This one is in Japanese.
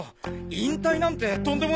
引退なんてとんでもない！